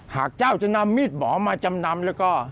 หากเจ้าจะนำมีดหมอมาจำนำแล้วก็